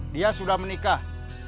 dia sudah menikah